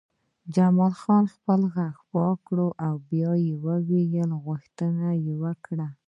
جمال خان خپل غوږ پاک کړ او د بیا ویلو غوښتنه یې وکړه